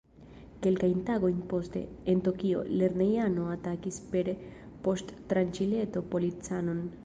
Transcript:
Kelkajn tagojn poste, en Tokio, lernejano atakis per poŝtranĉileto policanon.